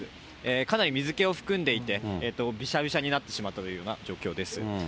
かなり水けを含んでいて、びしゃびしゃになってしまっているような状況です。